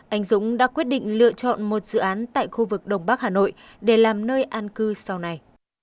anh dũng đã quyết định lựa chọn một dự án tại khu vực đông bắc hà nội để làm nơi an cư sau này